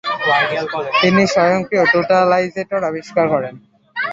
তিনি স্বয়ংক্রিয় টোটালাইজেটর আবিষ্কার করেন।